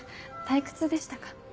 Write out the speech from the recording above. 退屈でしたか？